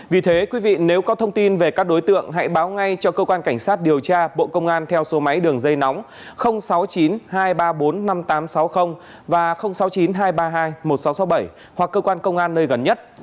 vì thế quý vị nếu có thông tin về các đối tượng hãy báo ngay cho cơ quan cảnh sát điều tra bộ công an theo số máy đường dây nóng sáu mươi chín hai trăm ba mươi bốn năm nghìn tám trăm sáu mươi và sáu mươi chín hai trăm ba mươi hai một nghìn sáu trăm sáu mươi bảy hoặc cơ quan công an nơi gần nhất